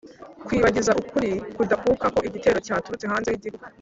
kwibagiza ukuri kudakuka ko igitero cyaturutse hanze y'igihugu.